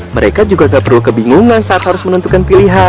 mereka juga nggak perlu kebingungan saat harus menuntutkan